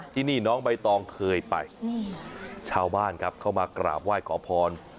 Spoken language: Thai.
ที่นี่น้องใบตองเคยไปชาวบ้านครับเข้ามากราบไหว้ขอพร